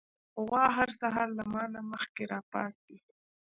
غوا هر سهار له ما نه مخکې راپاڅي.